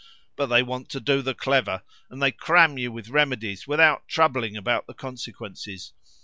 But they want to do the clever, and they cram you with remedies without, troubling about the consequences.